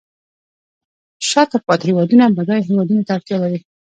شاته پاتې هیوادونه بډایه هیوادونو ته اړتیا لري